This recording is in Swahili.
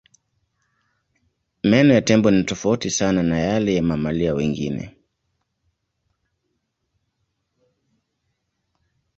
Meno ya tembo ni tofauti sana na yale ya mamalia wengine.